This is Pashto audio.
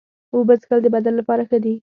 اوبه څښل د بدن لپاره ښه دي.